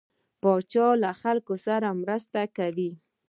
پاچا له خلکو سره مرسته کوي.